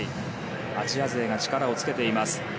アジア勢が力をつけています。